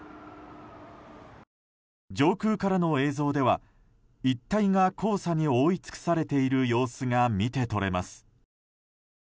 上空からの映像では一帯が黄砂に覆い尽くされている様子が見て取れます。